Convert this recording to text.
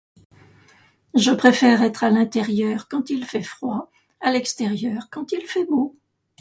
je préfère être a l,intérieur quand il fait froid a l'extérieur quand il fait beau